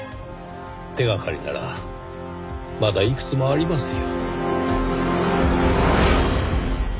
手がかりならまだいくつもありますよ。